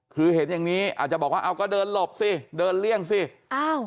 คือเห็นอย่างนี้อาจจะบอกว่าเอาก็เดินหลบสิเดินเลี่ยงสิอ้าว